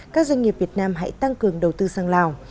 các doanh nghiệp việt nam hãy tăng cường đầu tư sang lào